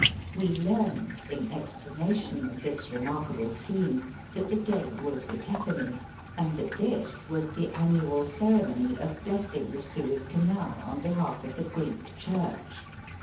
We learned, in explanation of this remarkable scene, that the day was Epiphany, and that this was the annual ceremony of blessing the Suez Canal on behalf of the Greek Church.